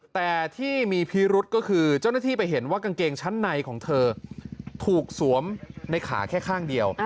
แต่ที่มีพิรุษก็คือเจ้าหน้าที่ไปเห็นว่ากางเกงชั้นในของเธอถูกสวมในขาแค่ข้างเดียว